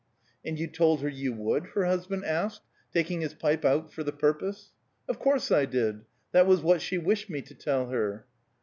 "And you told her you would?" her husband asked, taking his pipe out for the purpose. "Of course I did. That was what she wished me to tell her."